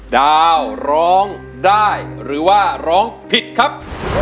ดาวร้องได้หรือว่าร้องผิดครับ